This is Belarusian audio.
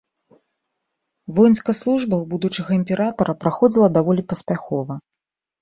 Воінская служба ў будучага імператара праходзіла даволі паспяхова.